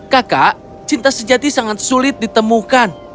kakak cinta sejati sangat sulit ditemukan